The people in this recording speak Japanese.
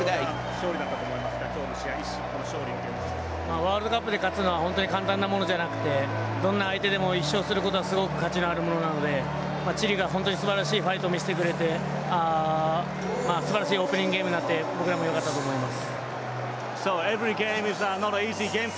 ワールドカップで勝つのは本当に簡単なことではなくてどんな相手でも１勝することはすごく価値のあるものなのでチリが本当にすばらしいファイト見せてくれてすばらしいオープニングゲームになって僕らもよかったと思います。